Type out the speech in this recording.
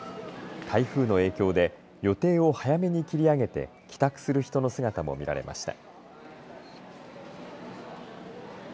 台風の影響で予定を早めに切り上げて帰宅する人の姿も見られました。